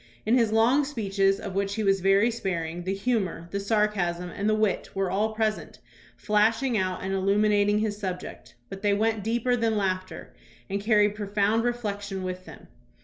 In his long speeches, of which he was very sparing, the humor, the sarcasm, and the wit were all present, flashing out and illuminating his subject, but they went deeper than laughter, and carried profound reflection with them.